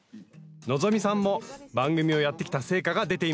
希さんも番組をやってきた成果が出ています